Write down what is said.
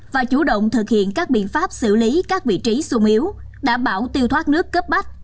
và chủ động thực hiện các biện pháp xử lý các vị trí sung yếu đảm bảo tiêu thoát nước cấp bách